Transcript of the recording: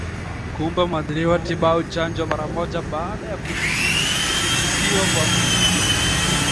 Kumpa mwathiriwa tiba au chanjo mara moja baada ya kukisiwa kuambukizwa